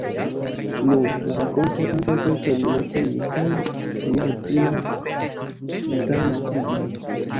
Nu, la rakonto: antaŭ kelkaj monatoj, mi kaj mia edzino batalis pri io.